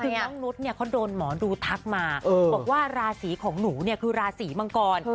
น้องนุษย์เขาโดนหมอดูทักมาบอกว่าราศรีของหนูคือราศรีมังกร